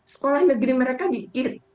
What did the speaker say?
sekolah negeri mereka dikir